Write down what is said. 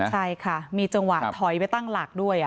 ใช่ค่ะมีจังหวะถอยไปตั้งหลักด้วย